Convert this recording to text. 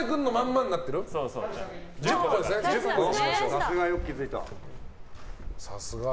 さすが、よく気づいた！